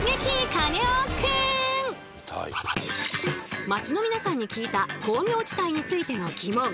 カネオくん！街の皆さんに聞いた工業地帯についてのギモン。